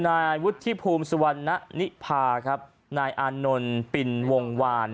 นายวุฒิภูมิสุวรรณนิพาครับนายอานนท์ปินวงวาน